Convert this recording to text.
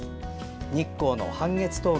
日光の半月峠。